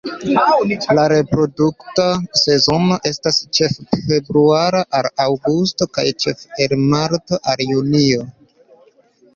La reprodukta sezono estas ĉefe februaro al aŭgusto kaj ĉefe en marto al junio.